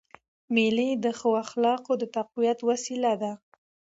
مېلې د ښو اخلاقو د تقویت وسیله دي.